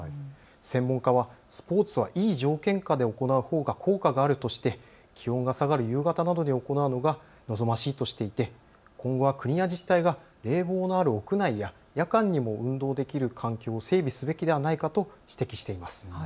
専門家はスポーツはいい条件下で行うほうが効果があるとして気温が下がる夕方などに行うのが望ましいとしていて、今後は国や自治体が冷房のある屋内や夜間にも運動できる環境を整備すべきではないかと指摘しています。